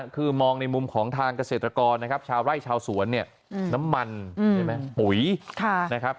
คือมองในมุมของทางเกษตรกรนะครับชาวไร่ชาวสวนเนี่ยน้ำมันใช่ไหมปุ๋ยนะครับ